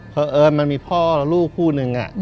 เผอิญมันมีพ่อและลูกคู่นึง